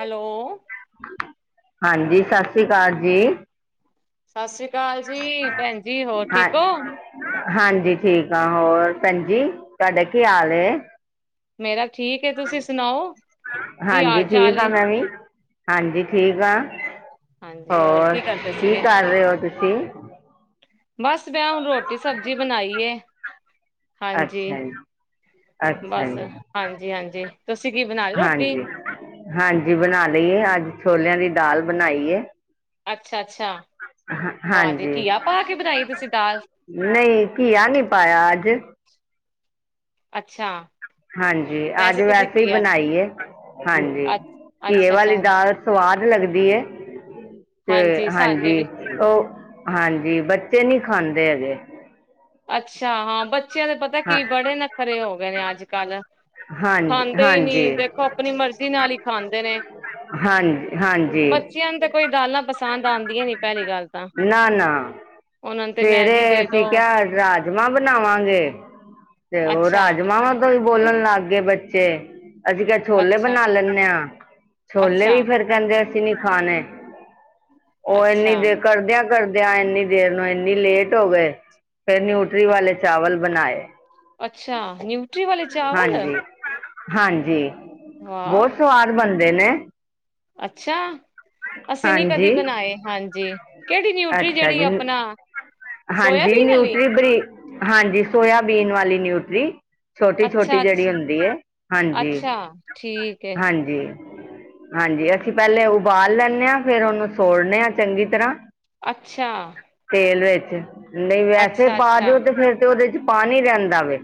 Hello. ਹਾਂਜੀ, ਸਤਿ ਸ੍ਰੀ ਅਕਾਲ ਜੀ। ਸਤਿ ਸ੍ਰੀ ਅਕਾਲ ਜੀ, ਭੈਣ ਜੀ ਹੋਰ ਹਾਂ ਠੀਕ ਹੋ? ਹਾਂਜੀ, ਠੀਕ ਆ ਹੋਰ ਭੈਣਜੀ ਤੁਹਾਡਾ ਕੀ ਹਾਲ ਏ? ਮੇਰਾ ਠੀਕ ਹੈ, ਤੁਸੀਂ ਸੁਣਾਓ ਕੀ ਹਾਲ-ਚਾਲ ਏ? ਏਵੀ। ਹਾਂਜੀ, ਠੀਕ ਆ ਹਾਂਜੀ ਹੋਰ ਕੀ ਕਰਦੇ ਕੀ ਸੀਗੇ ਕਰ ਰਹੇ ਹੋ ਤੁਸੀਂ? ਬਸ ਮੈ ਹੁਣ ਰੋਟੀ-ਸਬਜ਼ੀ ਬਣਾਈ ਏ। ਹਾਂਜੀ, ਅੱਛਾ ਜੀ ਅੱਛਾ ਬਸ ਜੀ ਹਾਂਜੀ-ਹਾਂਜੀ। ਹਾਂਜੀ- ਹਾਂਜੀ ਬਣਾ ਲਈਏ ਅੱਜ ਛੋਲਿਆਂ ਦੀ ਦਾਲ ਬਣਾਈਏ। ਅੱਛਾ-ਅੱਛਾ ਵਾਂਜੀ ਹਾਂਜੀ ਘੀਆ ਪਾ ਕੇ ਬਣਾਈ ਤੁਸੀਂ ਦਾਲ। ਨਹੀਂ, ਘੀਆ ਨਹੀਂ ਪਾਇਆ ਅੱਜ। ਅੱਛਾ। ਹਾਂਜੀ, ਅੱਜ ਤੁਸੀਂ ਵੈਸੇ ਹੀ ਘੀਆ ਬਣਾਈ ਏ ਹਾਂਜੀ ਅ ਘੀਏ ਅੱਛਾ ਅੱਛਾ ਵਾਲੀ ਦਾਲ ਸਵਾਦ ਲੱਗਦੀ ਹੈ ਤੇ ਹਾਂਜੀ ਸਾਡੇ ਹਾਂਜੀ। ਵੀ ਉ ਹਾਂਜੀ, ਬੱਚੇ ਨੀ ਖਾਂਦੇ ਹੈਗੇ। ਅੱਛਾ, ਹਾਂ ਬੱਚਿਆਂ ਦੇ ਪਤਾ ਪਤਾ ਹਾਂ ਕੀ ਬੜੇ ਨਖਰੇ ਹੋ ਗਏ ਨੇ ਅੱਜ-ਕੱਲ ਹਾਂਜੀ ਖਾਂਦੇ ਹੀ ਨੀ ਹਾਂਜੀ ਦੇ ਆਪਣੀ ਮਰਜ਼ੀ ਨਾਲ ਹੀ ਖਾਂਦੇ ਨੇ। ਹਾਂਜੀ-ਹਾਂਜੀ। ਬੱਚੀਆਂ ਨੂੰ ਤਾਂ ਕੋਈ ਦਾਲਾਂ ਪਸੰਦ ਆਦੀਆਂ ਨੀ ਪਹਿਲੀ ਗੱਲ। ਤਾਂ ਨਾ-ਨਾ, ਉਹਨਾਂ ਨੂੰ ਤੇ ਮੈਗੀ ਸਵਰੇ ਦੇ ਦੋ ਅਸੀਂ ਕਿਹਾ ਰਾਜ ਮਾਂ ਬਣਾਵਾਂਗੇ ਤੇ ਉ ਅੱਛਾ ਰਾਜਮਾ ਵਾਂ ਤੋਂ ਵੀ ਬੋਲਣ ਲੱਗ ਗਏ ਬੱਚੇ। ਅਸੀਂ ਕਿਹਾ ਛੋਲੇ ਅੱਛਾ ਬਣਾ ਲੈਂਨੇ ਆ, ਛੋਲੇ ਵੀ ਅੱਛਾ ਫਿਰ ਕਹਿੰਦੇ ਅਸੀਂ ਨੀ ਖਾਣੇ ਉਹ ਇੰਨੀ ਅੱਛਾ ਦੇਰ ਕਰਦਿਆਂ-ਕਰਦਿਆਂ ਇੰਨੀ ਦੇਰ ਨੂੰ ਇੰਨੀ ਲੇਟ ਹੋ ਗਏ। ਫਿਰ ਨਿਊਟਰੀ ਵਾਲੇ ਚਾਵਲ ਬਣਾਏ। ਅੱਛਾ, ਨਿਊਟਰੀ ਵਾਲੇ ਚਾਵਲ। ਹਾਂਜੀ ਹਾਂਜੀ, ਵਾਹ ਬਹੁਤ ਸਵਾਦ ਬਣਦੇ ਨੇ। ਅੱਛਾ। ਅਸੀਂ ਨੀ ਕਦੀ ਹਾਂਜੀ ਬਣਾਏ ਹਾਂਜੀ, ਕਿਹੜੀ ਨਿਊਟਰੀ ਅੱਛਾ ਜਿਹੜੀ ਜੀ ਆਪਣਾ ਹਾਂਜੀ, ਸੋਇਆਬੀਨ ਵਾਲੀ ਨਿਊਟਰੀ ਬਾਈ ਹਾਂਜੀ, ਸੋਇਆਬੀਨ ਵਾਲੀ ਨਿਊਟਰੀ। ਛੋਟੀ-ਛੋਟੀ, ਅੱਛਾ ਜਿਹੜੀ ਅੱਛਾ ਹੁੰਦੀ ਹੈ ਹਾਂਜੀ-ਹਾਂਜੀ। ਅੱਛਾ ਠੀਕ ਹੈ ਹਾਂਜੀ, ਅਸੀਂ ਪਹਿਲੇ ਉਬਾਲ ਲੈਂਨੇ ਆ ਫੇਰ ਉਹਨੂੰ ਸੋੜਨੇ ਹਾਂ ਚੰਗੀ ਤਰ੍ਹਾਂ। ਅੱਛਾ। ਤੇਲ ਵਿੱਚ ਨਹੀਂ ਵੈਸੇ ਅੱਛਾ ਪਾ ਅੱਛਾ ਦੇਓ ਤੇ ਫੇਰ ਤੇ ਉਹਦੇ ਚ ਪਾਣੀ ਰਹਿੰਦਾ ਵੇ।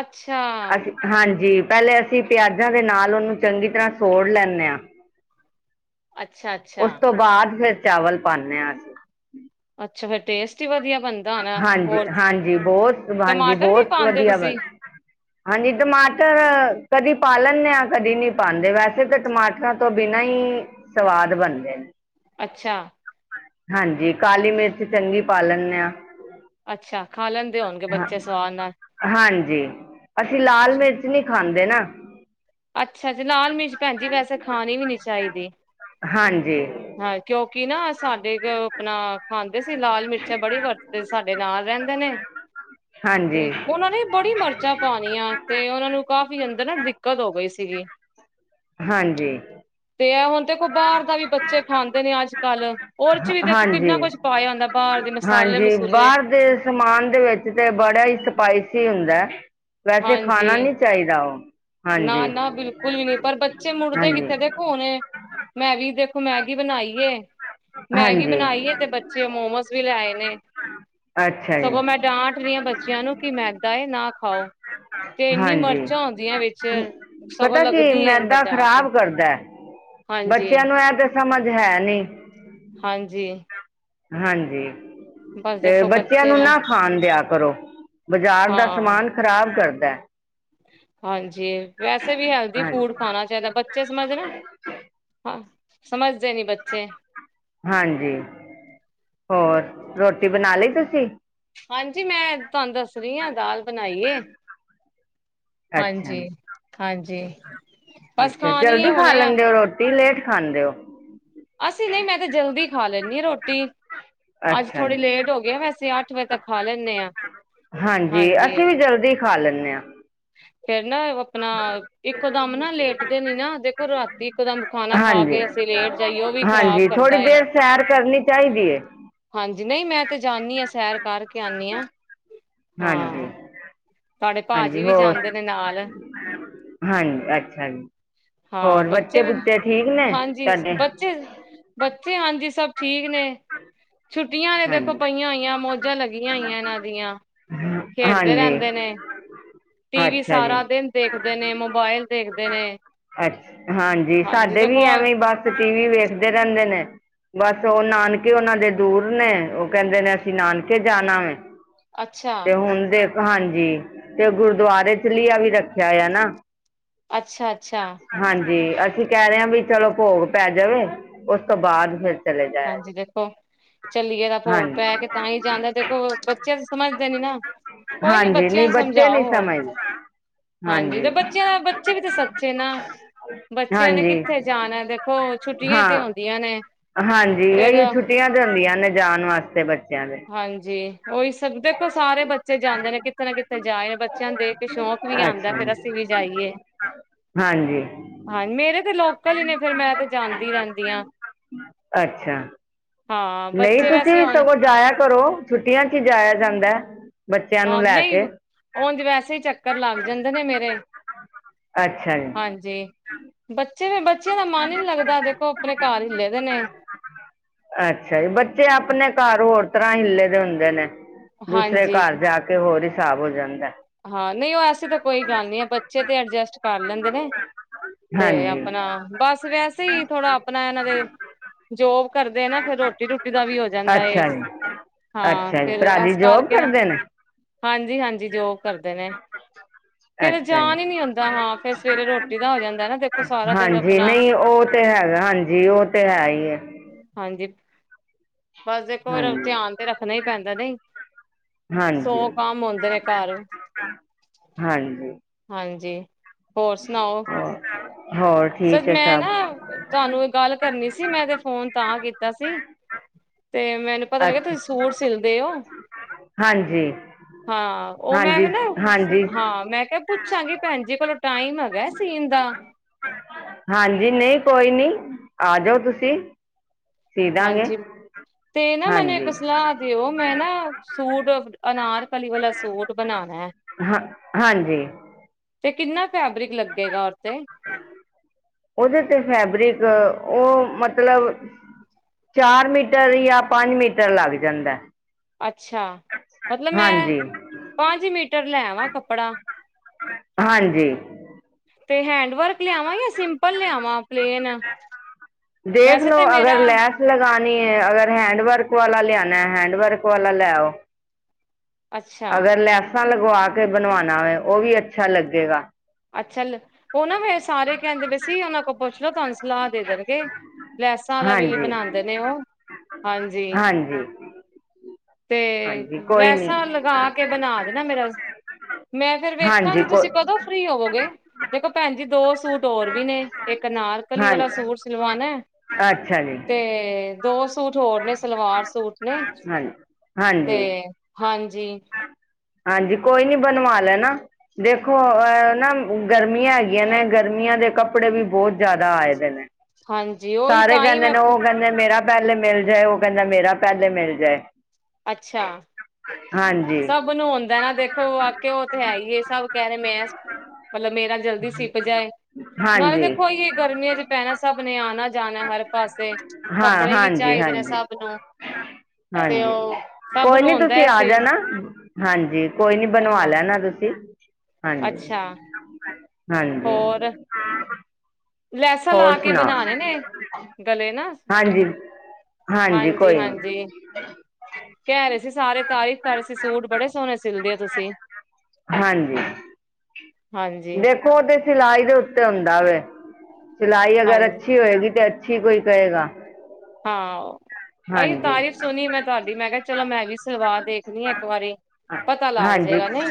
ਅੱਛਾ। ਅਸੀਂ ਹਾਂਜੀ ਪਹਿਲੇ ਅਸੀਂ ਪਿਆਜਾਂ ਦੇ ਨਾਲ ਉਹਨੂੰ ਚੰਗੀ ਤਰ੍ਹਾਂ ਸੋੜ ਲੈਂਨੇ ਆ। ਅੱਛਾ-ਅੱਛਾ। ਉਸ ਤੋਂ ਬਾਅਦ ਫਿਰ ਚਾਵਲ ਪਾਨੇ ਆ ਅਸੀਂ। ਅੱਛਾ ਫੇਰ ਟੇਸਟ ਈ ਵਧੀਆ ਬਣ ਹਾਂਜੀ, ਹਾਂਜੀ ਬਹੁਤ ਹਾਂਜੀ ਟਮਾਟਰ ਵੀ ਬਹੁਤ ਪਾਉਂਦੇ ਹੋ ਵਧੀਆ ਬਣ ਤੁਸੀਂ ਹਾਂਜੀ ਟਮਾਟਰ, ਕਦੀ ਪਾ ਲੈਨੇ ਆ ਕਦੀ ਨਹੀਂ ਪਾਦੇ ਵੈਸੇ ਤਾਂ ਟਮਾ ਟਰ ਤੋਂ ਬਿਨਾ ਈ ਸਵਾਦ ਬਣਦੇ। ਅੱਛਾ। ਹਾਂਜੀ ਕਾਲੀ ਮਿਰਚ ਚੰਗੀ ਪਾ ਲੈਨੇ ਆ। ਅੱਛਾ ਖਾ ਲੈਂਦੇ ਹੋਣਗੇ ਬੱਚੇ ਸਵਾਦ ਨਾਲ। ਹਾਂਜੀ, ਅਸੀਂ ਲਾਲ ਮਿਰਚ ਨੀ ਖਾਂਦੇ ਨਾ। ਅੱਛਾ ਲਾਲ ਮਿਰਚ ਭੈਣ ਜੀ ਵੈਸੇ ਖਾਣੀ ਵੀ ਨੀ ਚਾਹੀਦੀ। ਹਾਂਜੀ ਹਾਂ ਕਿਉਂਕਿ ਨਾ ਸਾਡੇ ਕ ਅਪਣਾ ਖਾਂਦੇ ਸੀ ਲਾਲ ਮਿਰਚਾਂ ਬੜੀ ਵਰਤਦੇ ਸੀ ਸਾਡੇ ਨਾਲ ਰੈੰਦੇ ਨੇ। ਤੇ ਹਾਂਜੀ ਉਹਨਾਂ ਨੇ ਬੜੀ ਮਰਚਾਂ ਪਾਣੀਆਂ ਤੇ ਉਹਨਾਂ ਨੂੰ ਕਾਫ਼ੀ ਅੰਦਰ ਨਾ ਦਿੱ ਦਿੱਕਤ ਹੋ ਗਈ ਸੀਗੀ, ਹਾਂਜੀ ਤੇ ਐ ਹੁਣ ਦੇਖੋ ਬਾਹਰ ਦਾ ਵੀ ਬੱਚੇ ਖਾਂਦੇ ਨੇ ਅੱਜ-ਕੱਲ, ਉਹਦੇ 'ਚ ਵੀ ਦੇਖੋ ਕਿੰਨਾ ਹਾਂਜੀ ਕੁਝ ਪਾਇਆ ਹੁੰਦਾ ਬਾਰ ਦੇ ਮਸ ਹਾਂਜੀ ਬਾਰ ਸਮਾਨ ਦੇ ਵਿੱਚ ਤੇ ਬੜਾ ਈ ਸਪਾਈਸੀ ਹੁੰਦੈ, ਵੈਸੇ ਖਾਣਾ ਨੀ ਚਾਈਦਾ ਉਹ। ਹਾਂਜੀ ਨਾ-ਨਾ ਬਿਲਕੁਲ ਵੀ ਨੀ ਪਰ ਬੱਚੇ ਮੁੜਦੇ ਹਾਂਜੀ ਕਿੱਥੇ ਦੇ ਹੁਨੇ, ਮੈਂ ਵੀ ਦੇਖੋ ਮੈਗੀ ਬਣਾਈ ਏ। ਮੈਗੀ ਹਾਂਜੀ ਬਣਾਈ ਏ ਤੇ ਬੱਚੇ ਔ ਮੋਮੋਸ ਵੀ ਲੈ ਆਏ ਨੇ। ਅੱਛਾ ਜੀ ਸਗੋਂ ਮੈਂ ਡਾਂਟ ਰੀ ਆਂ ਬੱਚਿਆਂ ਨੂੰ ਕਿ ਮੈਦਾ ਏ ਨਾ ਖਾਓ, ਤੇ ਇੰਨੀ ਹਾਂਜੀ ਮਿਰਚਾਂ ਹੂੰਦੀਐ ਵੇ। ਚ ਸਗੋਂ ਪਤਾ ਕੀ ਲੱਗਦੀ ਏ ਅੰਦਰ ਮੈਦਾ ਜਾ ਕੇ, ਖ਼ਰਾਬ ਹਾਂਜੀ। ਐ ਤੇ ਸਮਝ ਹੈ ਨੀ। ਹਾਂਜੀ। ਹਾਂਜੀ। ਬਸ ਤੇ ਦੇਖੋ ਬੱਚਿਆਂ ਬੱਚੇ ਨੂੰ ਨਾ ਖਾਣ ਦਿਆ ਕਰੋ, ਬਜ਼ਾਰ ਦਾ ਹਾਂ। ਸਮਾਨ ਖਰਾਬ ਕਰਦੈ। ਹਾਂਜੀ, ਵੈਸੇ ਵੀ ਹੈਲਦੀ ਹਾਂਜੀ ਫੂਡ ਖਾਣਾ ਚਾਹੀਦਾ। ਬੱਚੇ ਸਮਝਦੇ ਨਾ, ਹਾਂ ਸਮਝਦੇ ਨੀ ਬੱਚੇ। ਹਾਂਜੀ, ਹੋਰ ਰੋਟੀ ਬਣਾ ਲਈ ਤੁਸੀਂ? ਹਾਂਜੀ ਮੈਂ ਤੁਹਾਨੂੰ ਦੱਸ ਰੀ ਆਂ ਦਾਲ ਬਣਾਈ ਏ। ਅੱਛਾ ਹਾਂਜੀ, ਜੀ ਹਾਂਜੀ। ਬਸ ਅੱਛਾ ਖਾਣੀ ਏ ਜਲਦੀ ਖਾ ਹੁਣੇ ਆ ਲੈਂਦੇ ਓ ਰੋਟੀ ਲੇਟ ਖਾਂਦੇ ਓ? ਅਸੀਂ ਨਹੀਂ ਮੈਂ ਤੇ ਜਲਦੀ ਖਾ ਲੈਂਨੀ ਰੋਟੀ। ਅੱਜ ਅੱਛਾ ਥੋੜ੍ਹੀ ਜੀ ਲੇਟ ਹੋਗੇ ਆਂ ਵੈਸੇ ਅੱਠ ਵਜੇ ਤੱਕ ਖਾ ਲੈਨੇ ਆਂ। ਹਾਂਜੀ ਅਸੀਂ ਵੀ ਜਲ ਦੀ ਖਾ ਲੈਂਨੇ ਆਂ। ਫੇਰ ਨਾ ਆਪਣਾ, ਇੱਕੋ ਦਮ ਨਾ ਲੇਟਦੇ ਨੀ ਨਾ ਦੇਖੋ ਰਾਤੀ ਇੱਕੋ ਦਮ ਖਾਣਾ ਖਾ ਹਾਂਜੀ ਕੇ ਅਸੀਂ ਲੇਟ ਜਾਈਏ ਉਹ ਵੀ ਖ਼ਰਾਬ ਹਾਂਜੀ ਥੋੜ੍ਹੀ ਕਰਦਾ ਏ। ਦੇਰ ਸੈਰ ਕਰਨੀ ਚਾਹੀਦੀ ਹੈ ਹਾਂਜੀ ਨਹੀਂ ਮੈਂ ਤੇ ਜਾਨੀ ਆਂ ਸੈਰ ਕਰਕੇ ਆਨੀ ਆਂ। ਹਾਂਜੀ। ਹਾਂਜੀ ਭਾਜੀ ਵੀ ਹੋਰ, ਜਾਂਦੇ ਨੇ ਨਾਲ ਹਾਂਜੀ ਅੱਛਾ ਜੀ। ਹਾਂ ਹੋਰ ਬੱਚੇ ਵੀ, ਬੁੱਚੇ ਠੀਕ ਨੇ ਹਾਂਜੀ ਤੁਹਾਡੇ ਬੱਚੇ ਬੱਚੇ ਹਾਂਜੀ ਸਭ ਠੀਕ ਨੇ। ਛੁੱ ਧੀਆਂ ਨੇ ਦੇਖੋ ਹਾਂਜੀ ਪਈਆਂ ਹੋਈਆਂ ਮੌਜਾਂ ਲੱਗੀਆਂ ਹੋਈਆਂ ਏਨਾਂ ਦੀਆਂ। ਖੇਡਦੇ ਹਾਂਜੀ ਰੈੰਦ ਨੇ ਟੀਵੀ ਅੱਛਾ ਜੀ ਸਾਰਾ ਦਿਨ ਦੇਖਦੇ ਨੇ ਮੋਬਾਇਲ ਦੇਖਦੇ ਨੇ। ਅੱਛ ਹਾਂਜੀ ਸਾਡੇ ਵੀ ਐਵੇਂ ਈ ਬਸ ਟੀਵੀ ਵੇਖਦੇ ਰੈੰਦੇ ਨੇ ਬਸ ਓ ਨਾਨਕੇ ਓਨਾਂ ਦੇ ਦੂਰ ਨੇ ਓ ਕੈੰਦੇ ਨੇ ਅਸੀਂ ਨਾਨਕੇ ਜਾਣਾ ਵੇ ਅੱਛਾ, ਤੇ ਹੁਣ ਦੇਖ ਹਾਂਜੀ ਤੇ ਗੁਰਦੁਆਰੇ ਚਲਿਆ ਵੀ ਰੱਖਿਆ ਹੋਇਆ ਨਾ। ਅੱਛਾ, ਅੱਛਾ। ਹਾਂਜੀ, ਅਸੀਂ ਕਹਿ ਰੇ ਆਂ ਵੀ ਚਲੋ ਭੋਗ ਪੈ ਜਵੇ, ਓਸ ਤੋਂ ਬਾਦ ਫਿਰ ਚਲੇ ਜਾਇਆ। ਹੋ, ਚੱਲੀਏ ਤਾਂ ਭੋਗ ਹਾਂਜੀ ਪੈ ਕੇ ਤਾਂ ਈ ਜਾਂਦੇ ਦੇਖੋ ਬੱਚੇ ਸਮਝਦੇ ਨੀ ਨਾ। ਕੋਈ ਨੀ ਹਾਂਜੀ ਬੱਚਿਆਂ ਨਹੀਂ ਨੂੰ ਬੱਚੇ ਸਮਝਾਓ, ਨੀ ਹੋਰ ਸਮਝਦੇ ਹਾਂਜੀ ਬੱਚਿਆਂ ਦਾ ਬੱਚੇ ਵੀ ਤੇ ਸੱਚੇ ਨਾ। ਬੱਚਿਆਂ ਨੇ ਹਾਂਜੀ ਕਿੱਥੇ ਜਾਣਾ ਦੇਖੋ ਛੁੱਟੀਆਂ ਈ ਤੇ ਹਾਂ ਹੁੰਦੀਆਂ ਨੇ। ਹਾਂਜੀ ਫੇਰ ਇਹੀ ਛੁੱਟੀਆਂ ਤੇ ਹੁੰਦੀਆਂ ਨੇ ਜਾਣ ਵਾਸਤੇ ਬੱਚਿਆਂ ਦੇ। ਹਾਂਜੀ, ਓਈ ਸਭ ਦੇਖੋ ਸਾਰੇ ਬੱਚੇ ਜਾਂਦੇ ਨੇ, ਕਿਥੇ ਨਾ ਕਿਤੇ ਜਾਏ ਨੇ ਬੱਚਿਆਂ ਨੂੰ ਦੇਖ ਕੇ ਸ਼ੌਕ ਵੀ ਆਂਦਾ ਅੱਛਾ ਫਿਰ ਅਸੀਂ ਵੀ ਜਾਈਏ। [unintelligible] ਹਾਂਜੀ। ਹਾਂ, ਮੇਰੇ ਤੇ ਲੋਕਲ ਈ ਨੇ ਫਿਰ ਮੈਂ ਤੇ ਜਾਂਦੀ ਰਹਿੰਦੀ ਆ। ਅੱਛਾ। ਹਾਂ ਨਹੀਂ ਬੱਚੇ ਤੁਸੀਂ ਵੈਸੇ ਹੁਣ ਸਗੋਂ ਜਾਇਆ ਕਰੋ ਛੁੱਟੀਆਂ ਚ ਈ ਜਾਇਆ ਜਾਂਦਾ। ਬੱਚਿਆਂ ਨੂੰ ਲੈ ਆਉਂਦੇ ਕੇ ਉਂਝ ਵੈਸੇ ਈ ਚੱਕਰ ਲੱਗ ਜਾਂਦੇ ਨੇ ਮੇਰੇ। ਅੱਛਾ ਜੀ। ਹਾਂਜੀ ਬੱਚੇ ਵੀ ਬੱਚਿਆਂ ਦਾ ਮਨ ਈ ਨੀ ਲੱਗਦਾ ਦੇਖੋ ਆਪਣੇ ਘਰ ਰਹਿੰਦੇ ਨੇ। ਅੱਛਾ ਜੀ, ਬੱਚੇ ਆਪਣੇ ਘਰ ਹੋਰ ਤਰ੍ਹਾਂ ਹਿੱਲੇ ਦੇ ਹੁੰਦੇ ਨੇ। ਦੂਸਰੇ ਹਾਂਜੀ ਘਰ ਜਾ ਕੇ ਹੋਰ ਹਿਸਾਬ ਹੋ ਜਾਂਦਾ। ਹਾਂ ਨਹੀਂ ਉਹ ਐਸੀ ਤੇ ਕੋਈ ਗੱਲ ਨਹੀਂ ਆ ਬੱਚੇ ਤੇ ਅਡਜਸਟ ਕਰ ਲੈਂਦੇ ਨੇ‌ ਤੇ ਹਾਂਜੀ ਆਪਣਾ ਬਸ ਵੈਸੇ ਈ ਥੋੜਾ ਆਪਣਾ ਇਹਨਾਂ ਦੇ ਜੋਬ ਕਰਦੇ ਆ ਨਾ ਫਿਰ ਰੋਟੀ-ਰੂਟੀ ਦਾ ਵੀ ਹੋ ਜਾਂਦਾ ਏ। ਅੱਛਾ ਜੀ ਹਾਂ ਅੱਛਾ ਜੀ ਫਿਰ ਭਰਾ ਜੀ ਐਸ ਜੋਬ ਕਰਕੇ ਨਾ ਕਰਦੇ ਨੇ ਹਾਂਜੀ-ਹਾਂਜੀ ਜੋਬ ਕਰਦੇ ਨੇ। ਫਿਰ ਅੱਛਾ ਜੀ ਜਾਨ ਈ ਨੀ ਹੁੰਦਾ ਹਾਂ ਫਿਰ ਸਵੇਰੇ ਰੋਟੀ ਦਾ ਹੋ ਜਾਂਦਾ ਨਾ ਦੇਖੋ ਸਾਰਾ ਦਿਨ। ਹਾਂਜੀ ਆਪਣਾ ਨਹੀਂ ਉਹ ਤੇ ਹੈਗਾ ਹਾਂਜੀ ਉਹ ਤੇ ਹੈ ਈ ਐ। ਹਾਂਜੀ ਬਸ ਇੱਕ ਵਾਰ ਧਿਆਨ ਤੇ ਰੱਖਣਾ ਈ ਪੈਂਦਾ ਨਹੀਂ ਹਾਂਜੀ ਹਾਂਜੀ ਸੌ ਕੰਮ ਹੁੰਦੇ ਨੇ ਘਰ। ਹਾਂਜੀ। ਹਾਂਜੀ, ਹੋਰ ਸੁਣਾਓ? ਹੋਰ ਸਰ ਠੀਕ ਐ ਮੈਂ ਸਭ। ਨਾ ਤੁਹਾਨੂੰ ਇਹ ਗੱਲ ਕਰਨੀ ਸੀ ਮੈਂ ਤੇ ਫੋਨ ਤਾਂ ਕੀਤਾ ਸੀ ਤੇ ਮੈਂ ਪਤਾ ਲੱਗਿਆ ਅੱਛਾ ਤੁਸੀਂ ਸੂਟ ਸਿਲਦੇ ਓ। ਹਾਂਜੀ ਹਾਂ ਉਹ ਮੈਂ ਹਾਂਜੀ ਨਾ ਹਾਂਜੀ ਹਾਂ ਮੈਂ ਕਿਹਾ ਪੁੱ ਪੁੱਛਾਂਗੀ ਭੈਣ ਜੀ ਕੋਲੋਂ ਟਾਈਮ ਹੈਗਾ ਸੀਨ ਦਾ। ਹਾਂਜੀ ਨਹੀਂ ਕੋਈ ਨੀ ਆਜੋ ਤੁਸੀਂ। ਸੀ ਦਾਂਗੇ ਹਾਂਜੀ ਤੇ ਨਾ ਮਨੇ ਇੱਕ ਹਾਂਜੀ ਸਲਾਹ ਦਿਓ ਮੈਂ ਨਾ ਸੂਟ ਅਨਾਰ ਕਲੀ ਵਾਲਾ ਸੂਟ ਬਣਾਣਾ। ਹਾਂਜੀ। ਤੇ ਕਿੰਨਾ ਫੈਬਰਿਕ ਲੱਗੇਗਾ ਓ ਤੇ ਉਦੇ ਤੇ ਫੈਬਰਿਕ ਓ ਮਤਲਬ ਚਾਰ ਮੀਟਰ ਜਾਂ ਪੰਜ ਮੀਟਰ ਲੱਗ ਜਾਂਦਾ ਐ। ਅੱਛਾ ਮਤਲਬ ਮੈਂ ਹਾਂਜੀ ਪੰਜ ਮੀਟਰ ਲੈ ਵਾਂ ਕੱਪੜਾ ਹਾਂਜੀ ਤੇ ਹੈਂਡਵਰਕ ਲਿਆਵਾਂ ਜਾਂ ਸਿੰਪਲ ਲਿਆਵਾਂ ਪਲੇਨ ਵੈਸੇ ਤੇ ਮੇਰਾ ਲਗਾਨੀ ਐ ਅਗਰ ਹੈਂਡਵਰਕ ਵਾਲਾ ਲਿਆਣਾ ਹੈਂਡਵਰਕ ਵਾਲਾ ਲੈ ਆਓ। ਅੱਛਾ ਅਗਰ ਲੈਸਾਂ ਲਗਵਾ ਕੇ ਬਣਵਾਣਾ ਏ ਓ ਵੀ ਅੱਛਾ ਲੱਗੇਗਾ। ਅੱਛਾ ਲ ਓ ਨਾ ਫਿਰ ਸਾਰੇ ਕੈਂਦੇ ਪਏ ਸੀ ਉਨਾਂ ਕੋਲ ਪੁੱਛ ਲੋੋ ਤੁਹਾਨੂੰ ਸਲਾਹ ਦੇ ਦੇਣਗੇ ਲੈਸਾਂ ਵਾਲਾ ਵੀ ਹਾਂਜੀ ਬਣਾਂਦੇ ਨੇ ਓ। ਹਾਂਜੀ ਹਾਂਜੀ ਤੇ ਹਾਂਜੀ ਕੋਈ ਨੀ ਲੈਸਾਂ ਲਗਾ ਕੇ ਬਣਾ ਦੇਣਾ ਮੇਰਾ ਮੈਂ ਫੇਰ ਹਾਂਜੀ ਵੇਖਾਂਗੀ ਕੋ ਤੁਸੀਂ ਕਦੋਂ ਫਰੀ ਹੋਵੋਗੇ ਦੇਖੋ ਭੈਣ ਜੀ ਦੋ ਸੂਟ ਹੋਰ ਵੀ ਨੇ ਇੱਕ ਅਨਾਰ ਕਲੀ ਹਾਂ ਵਾਲਾ ਸੂਟ ਸਿਲਵਾਣਾ ਅੱਛਾ ਜੀ ਤੇ ਦੋ ਸੂਟ ਹੋਰ ਨੇ ਸਲਵਾਰ ਸੂਟ ਨੇ ਹਾਂਜੀ ਤੇ ਹਾਂਜੀ ਹਾਂਜੀ। ਹਾਂਜੀ ਕੋਈ ਨੀ ਬਣਵਾ ਲੈਣਾ। ਦੇਖੋ ਆ ਨਾ ਗਰਮੀਆਂ ਹੈਗੀਆਂ ਨੇ ਗਰਮੀਆਂ ਦੇ ਕੱਪੜੇ ਵੀ ਬੋ ਜਾਦਾ ਆਏ ਦੇ ਨੇ। ਹਾਂਜੀ ਉਹੀ ਸਾਰੇ ਤਾਂ ਹੀ ਕੈਂਦੇ ਮੈਂ ਨੇ ਓ ਕੈਂਦੇ ਮੇਰਾ ਪੈਲੇ ਮਿਲ ਜਾਏ ਓ ਕੈਂਦਾ ਮੇਰਾ ਪੈਲੇ ਮਿਲ ਜਾਏ। ਅੱਛਾ ਹਾਂਜੀ ਸਭ ਨੂੰ ਹੁੰਦਾ ਨਾ ਦੇਖੋ ਆਕੇ ਓ ਤੇ ਹੈ ਹੀ ਏ ਸਭ ਕੈ ਰਏ ਮੈਂ ਮਤਲਬ ਮੇਰਾ ਜਲਦੀ ਸਿਪ ਜਾਏ ਨਾਲੇ ਹਾਂਜੀ ਦੇਖੋ ਅਈ ਗਰਮੀਆਂ 'ਚ ਪੈਣਾ ਸਬ ਨੇ ਆਣਾ। ਜਾਣਾ ਹਰ ਪਾਸੇ ਹਾਂ ਕੱਪੜੇ ਵੀ ਹਾਂਜੀ ਚਾਈਦੇ ਨੇ ਹਾਂਜੀ ਸਭ ਨੂੰ ਤੇ ਹਾਂਜੀ ਉਹ ਸਭ ਕੋਈ ਨੂੰ ਨੀ ਹੁੰਦਾ ਤੁਸੀ ਹੈ ਆ ਸੀ ਜਾਣਾ। ਹਾਂਜੀ ਕੋਈ ਨੀ ਬਣਵਾ ਹਾਂ ਲੈਣਾ ਤੁਸੀ ਹਾਂਜੀ। ਅੱਛਾ ਹਾਂਜੀ ਹੋਰ ਲੈਸਾਂ ਲਾ ਹੋਰ ਕੇ ਸੁਣਾਓ ਬਣਾਣੇ ਨੇ ਗਲੇ ਨਾ ਹਾਂਜੀ ਹਾਂਜੀ ਕੋਈ ਹਾਂਜੀ-ਹਾਂਜੀ [inaudible] ਕੈ ਰਏ ਸੀ ਸਾਰੇ ਤਾਰੀਫ਼ ਕਰ ਰਏ ਸੀ ਸੂਟ ਬੜੇ ਸੋਣੇ ਸਿਲਦੇ ਹੋ ਤੁਸੀ ਹਾਂਜੀ ਹਾਂਜੀ ਤੇ ਦੇਖੋ ਓ ਸਿਲਾਈ ਦੇ ਉੱਤੇ ਹੁੰਦਾ ਵੇ ਸਿਲਾਈ ਅਗਰ ਹਾਂਜੀ ਅੱਛੀ ਹੋਏਗੀ ਤੇ ਅੱਛੀ ਕੋਈ ਕਏ ਗਾ। ਹਾਂ ਏਹੀਓ ਤਾਰੀਫ਼ ਸੁਣੀ ਮੈਂ ਤੁਹਾਡੀ ਮੈਂ ਕਿਆ ਚਲੋ ਮੈਂ ਵੀ ਸਲਵਾ ਦੇਖਣੀ ਆ ਇੱਕ ਵਾਰੀ ਪਤਾ ਲੱਗ ਹਾਂਜੀ ਜਾਏਗਾ ਨਈ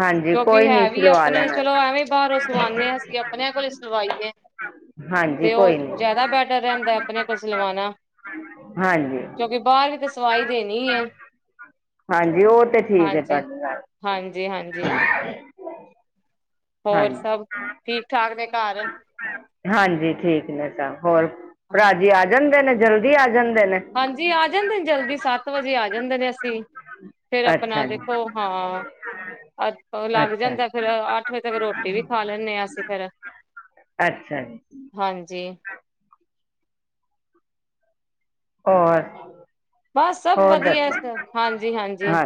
ਹਾਂਜੀ ਕੋਈ ਨੀ ਹੈ ਵੀ ਸਿਲਵਾ ਅਪਣੇ ਲੈਣਾ ਚਲੋ ਐਵੇਂ ਬਾਰੋਂ ਸਵਾਨੇ ਹਾਂ ਅਸੀਂ ਆਪਣਿਆਂ ਕੋਲ ਹੀ ਸਵਾਈ ਏ। ਹਾਂਜੀ ਤੇ ਓ ਕੋਈ ਨੀ ਜਾਦਾ ਬੈਟਰ ਰੈਂਦਾ ਆਪਣੇ ਕੋਲ ਸਿਲਵਾਣਾ ਹਾਂਜੀ ਕਿਉਂਕਿ ਬਾਰ ਵੀ ਤਾਂ ਸਵਾਈ ਦੇਣੀ ਏ। ਹਾਂਜੀ ਓ ਤੇ ਠੀਕ ਏ ਤੁਹਾਡੀ ਗੱਲ ਹਾਂਜੀ-ਹਾਂਜੀ ਹੋਰ ਹਾਂਜੀ, ਸਭ, ਠੀਕ-ਠਾਕ ਨੇ ਘਰ। ਹਾਂਜੀ, ਠੀਕ ਨੇ ਸਬ ਹੋਰ, ਭਰਾਜੀ ਆ ਜਾਂਦੇ ਨੇ ਜਲਦੀ ਆ ਜਾਂਦੇ ਨੇ। ਹਾਂਜੀ, ਆ ਜਾਂਦੇ ਨੇ, ਜਲਦੀ ਸੱਤ ਵਜੇ ਆ ਜਾਂਦੇ ਨੇ ਅਸੀਂ। ਫੇਰ ਆਪਨਾ ਅੱਛਾ ਜੀ ਦੇਖੋ, ਹਾਂ, ਅੱਜ ਲੱਗ ਅੱਛਾ ਜਾਂਦਾ। ਫੇਰ ਅੱਠ ਵਜੇ ਤੱਕ ਰੋਟੀ ਵੀ ਖਾ ਲੈਂਨੇ ਆ ਅਸੀਂ ਫੇਰ, ਅੱਛਾ ਜੀ ਹਾਂਜੀ। ਹੋਰ। ਬਸ, ਸਭ ਹੋਰ ਦੱਸੋ ਵਦੀਆ। ਹਾਂਜੀ, ਹਾਂਜੀ। ਹਾਂ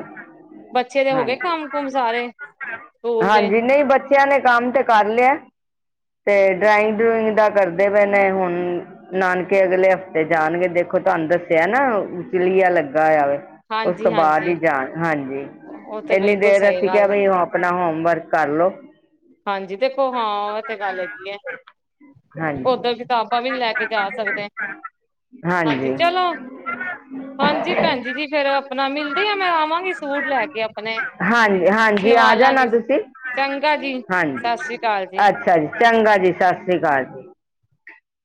ਬੱਚੇ ਦੇ ਹੋ ਗਏ ਹਾਂਜੀ ਕੰਮ-ਕੁਮ ਸਾਰੇ, ਸਕੂਲ ਦੇ। ਹਾਂਜੀ ਨਹੀਂ ਬੱਚਿਆਂ ਨੇ ਕੰਮ 'ਤੇ ਕਰ ਲਿਐ, 'ਤੇ ਡਰਾਇੰਗ-ਡਰੂਇੰਗ ਦਾ ਕਰਦੇ ਪਏ ਨੇ ਹੁਨ। ਨਾਨਕੇ ਅਗਲੇ ਹਫ਼ਤੇ ਜਾਨਗੇ, ਦੇਖੋ ਤੁਹਾਨੂੰ ਦੱਸਿਆ ਨਾ ਚਲੀਆ ਲੱਗਾ ਹੋਆ ਵੇ, ਉਸ ਤੋਂ ਹਾਂਜੀ ਬਾਦ ਹਾਂਜੀ ਈ ਜਾਨ ਹਾਂਜੀ। ਉਹ ਤੇ ਏੰਨੀ ਬਿਲਕੁਲ ਦੇਰ ਸਹੀ ਅਸੀਂ ਕੇਆ ਗੱਲ ਹੈ। ਬਈ, ਉਹ ਆਪਨਾ ਹੋਮ ਵਰਕ ਕਰਲੋ। ਹਾਂਜੀ, ਦੇਖੋ ਹਾਂ, ਐ ਤੇ ਗੱਲ ਹੈਗੀ ਐ। ਹਾਂਜੀ ਓਧਰ ਕਿਤਾਬਾਂ ਵੀ ਲੈ ਕੇ ਜਾ ਸਕਦੇ। ਹਾਂਜੀ, ਚਲੋ। ਹਾਂ, ਹਾਂਜੀ ਭੈਂਜੀ ਜੀ, ਫੇਰ ਆਪਨਾ ਮਿਲਦੇ ਆ, ਮੈਂ ਆਵਾਂਗੀ ਸੂਟ ਲੈ ਕੇ ਆਪਨੇ, ਹਾਂਜੀ ਹਾਂਜੀ ਆ ਜਾਣਾ ਸਿਲਵਾਲਾਗੀ। ਤੁਸੀਂ ਚੰਗਾ ਜੀ, ਹਾਂਜੀ ਸਸ੍ਰੀ ਕਾਲ ਜੀ। ਅੱਛਾ ਜੀ, ਚੰਗਾ ਜੀ ਸਸ੍ਰੀ ਕਾਲ ਜੀ।